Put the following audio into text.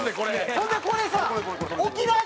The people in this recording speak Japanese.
ほんでこれさ。